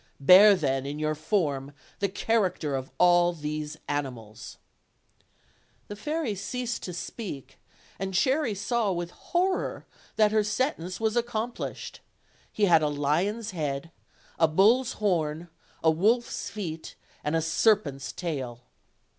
Bear then in your form the character of all these animals." The fairy ceased to speak, and Cherry saw with horror that her sentence was accomplished. He had a lion's head, a bull's horns, a wolf's feet and a serpent's tail.